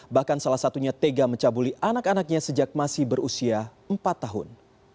bahkan salah satunya tega mencabuli anak anaknya sejak masih berusia empat tahun